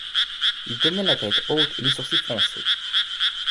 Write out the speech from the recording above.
Il tenait la tête haute et les sourcils froncés.